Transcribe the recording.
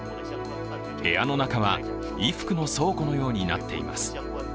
部屋の中は衣服の倉庫のようになっています。